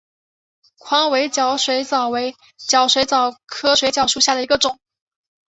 宽尾角水蚤为角水蚤科角水蚤属下的一个种。